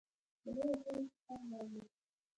سړي او خلکو خر راوویست.